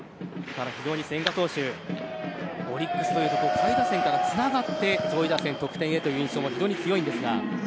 ただ、非常に千賀投手オリックス下位打線からつながって上位打線という印象が非常に強いんですが。